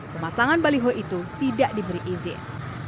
pemasangan baliho itu tidak diberi izin